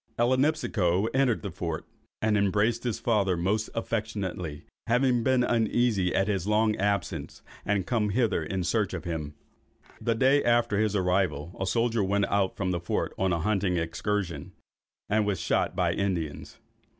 Ellinipsico entered the fort, and embraced his father most affectionately, having been uneasy at his long absence, and come hither in search of him. The day after his arrival, a soldier went out from the fort on a hunting excursion, and was shot by Indians.